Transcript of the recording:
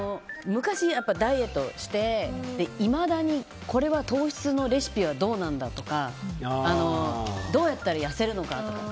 昔、ダイエットしていまだにこれは糖質のレシピはどうなんだとかどうやったら痩せるのかとか。